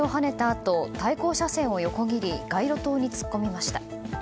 あと対向車線を横切り街路灯に突っ込みました。